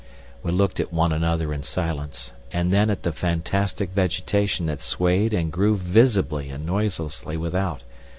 We looked at one another in silence, and then at the fantastic vegetation that swayed and grew visibly and noiselessly without.